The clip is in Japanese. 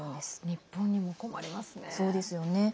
日本にも困りますね。